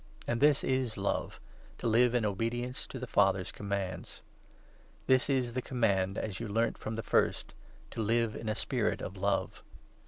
And this is love — to live in obedience to the 6 Father's commands. This is the Command as you learnt from the first, to live in a spirit of love.